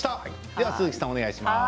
では、鈴木さんお願いします。